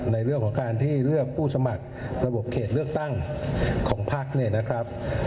ในเรื่องของการที่เลือกผู้สมัครระบบเขตเลือกตั้งของพักเนี่ยนะครับ